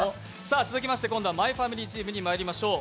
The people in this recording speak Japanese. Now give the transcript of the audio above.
続きまして今度は「マイファミリー」チームにまいりましょう。